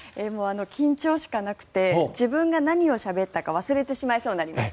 緊張しかなくて自分が何をしゃべったか忘れてしまいそうになります。